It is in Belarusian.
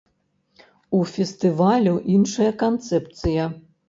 У фестывалю іншая канцэпцыя.